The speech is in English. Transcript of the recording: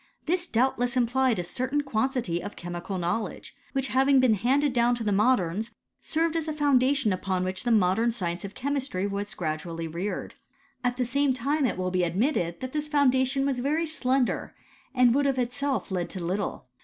This doubtless implied a* certain quantity of chemical knowledge, which having been handed down to the moderns, served as a fbunda ' tion upon which the modern science of chemistry was «♦ ncpiTwvXjiOwvjC.Tl, CHEMISTRY or ■TflE AVPJSItTS. 71 p;adually reared : at the same time it will be admitted that this foundation was very slender, and would of itself have led to little.